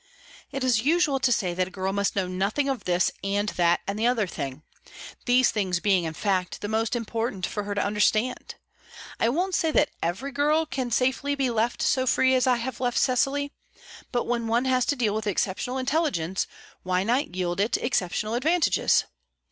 "It is usual to say that a girl must know nothing of this and that and the other thing these things being, in fact, the most important for her to understand. I won't say that every girl can safely be left so free as I have left Cecily; but when one has to deal with exceptional intelligence, why not yield it the exceptional advantages?